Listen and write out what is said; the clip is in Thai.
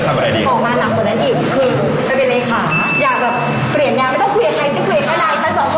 เหมือนดันพร่าว